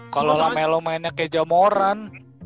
kalau lah melo mainnya kayak jamoran